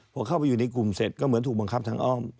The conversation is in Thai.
พอเข้าไปอยู่ในกลุ่มเสร็จก็เหมือนถูกบังคับทางอ้อม